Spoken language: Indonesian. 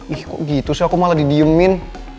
ih kok gitu sih aku malah didiemin